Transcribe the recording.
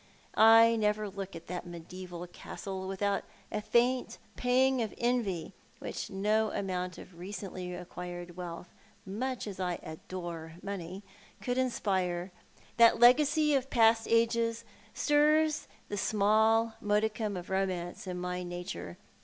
I never look at that mediaeval castle without a faint pang of envy, which no amount of recently acquired wealth, much as I adore money, could inspire. Tiiat legacy of past ages stirs the small modicum of romance in my nature.